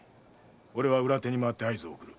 俺は裏手に回って合図を送る。